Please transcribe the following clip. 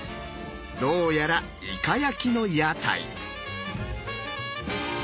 どうやらイカ焼きの屋台。